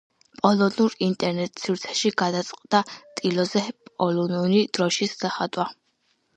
პოლონურ ინტერნეტ-სივრცეში გადაწყდა ტილოზე პოლონური დროშის დახატვა.